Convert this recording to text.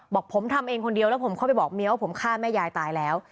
บอกผมทำเองคนเดียวแล้วผมเข้าไปบอกเมียว่าผมฆ่าแม่ยายตายแล้ว